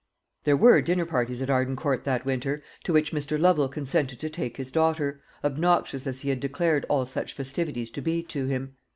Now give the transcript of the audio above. There were dinner parties at Arden Court that winter, to which Mr. Lovel consented to take his daughter, obnoxious as he had declared all such festivities to be to him.